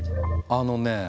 あのね